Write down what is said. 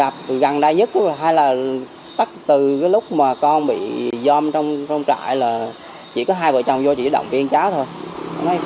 chỉ có hai vợ chồng vô chỉ động viên cháu thôi